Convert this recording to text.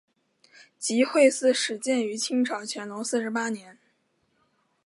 集惠寺始建于清朝乾隆四十八年。